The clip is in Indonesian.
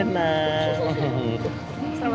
terima kasih papa